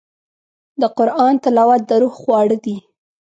د قرآن تلاوت د روح خواړه دي.